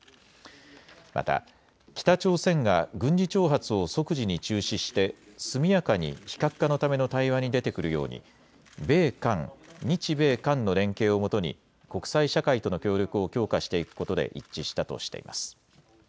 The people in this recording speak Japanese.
また北朝鮮が軍事挑発を即時に中止して速やかに非核化のための対話に出てくるように米韓、日米韓の連携をもとに国際社会との協力を強化していくことで一致したとしています。